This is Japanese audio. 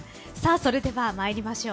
それでは参りましょう。